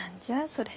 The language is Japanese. それ。